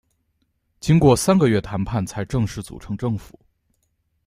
经过三个月谈判才正式组成政府。